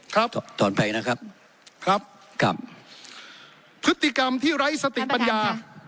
ครับถอนไปนะครับครับครับพฤติกรรมที่ไร้สติปัญญา